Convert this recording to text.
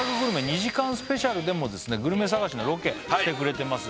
２時間スペシャルでもグルメ探しのロケ行ってくれてます